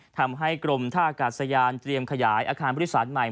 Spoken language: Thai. ทำให้กรมท่าอากาศยานเตรียมขยายอาคารผู้โดยสารใหม่